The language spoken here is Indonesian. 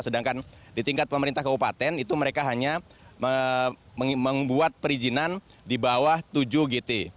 sedangkan di tingkat pemerintah kabupaten itu mereka hanya membuat perizinan di bawah tujuh gt